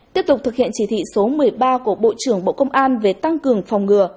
tiếp tục thực hiện chỉ thị số một mươi ba của bộ trưởng bộ công an về tăng cường phòng ngừa